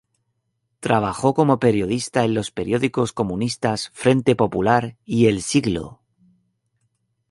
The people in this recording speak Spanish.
Trabajó como periodista en los periódicos comunistas "Frente Popular" y "El Siglo".